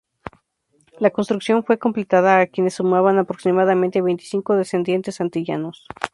La construcción fue completada a quienes sumaban aproximadamente veinticinco descendientes antillanos.